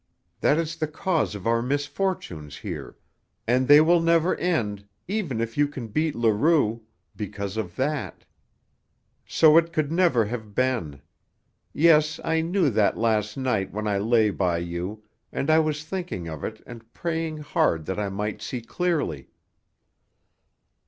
"That is the cause of our misfortunes here, and they will never end, even if you can beat Leroux because of that. So it could never have been. Yes, I knew that last night when I lay by you, and I was thinking of it and praying hard that I might see clearly."